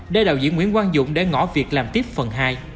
để đạo diễn nguyễn quang dũng để ngõ việc làm tiếp phần hai